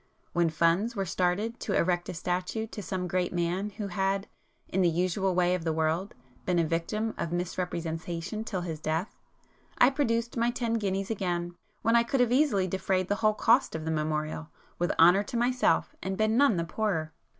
When funds were started to erect a statue to some great man who had, in the usual way of the world, been a victim of misrepresentation till his death, I produced my Ten Guineas again, when I could easily have defrayed the whole cost of the memorial, with honour to myself, and been none the poorer.